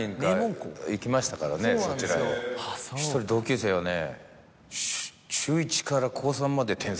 １人同級生がね。